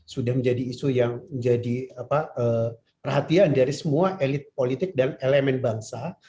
sudah menjadi isu yang menjadi perhatian dari semua elit politik dan elemen bangsa